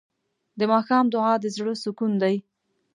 د ماښام دعا د زړه سکون دی.